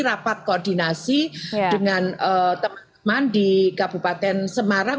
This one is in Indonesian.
rapat koordinasi dengan teman teman di kabupaten semarang